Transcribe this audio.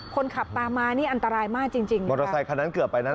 คนขับตามมานี่อันตรายมากจริงจริงมอเตอร์ไซคันนั้นเกือบไปนะ